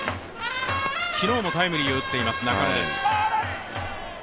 昨日のもタイムリーを打っています中野です。